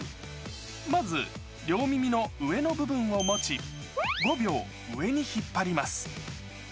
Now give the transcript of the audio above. まず両耳の上の部分を持ち、５秒上に引っ張ります。